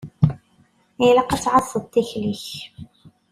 Ilaq ad tɛasseḍ tikli-k.